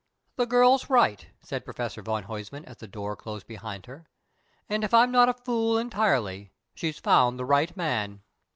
"The girl's right!" said Professor van Huysman, as the door closed behind her; "and if I'm not a fool entirely, she's found the right man."